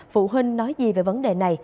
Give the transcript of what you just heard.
phụ huynh nói gì về vấn đề này